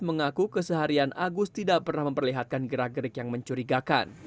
mengaku keseharian agus tidak pernah memperlihatkan gerak gerik yang mencurigakan